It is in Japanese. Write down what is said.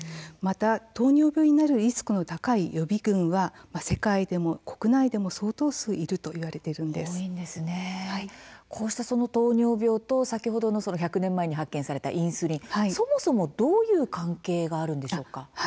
糖尿病になるリスクの高い予備群は国内でもこうした糖尿病と先ほど１００年前に発見されたインスリンがそもそもどういう関係があるんでしょうか。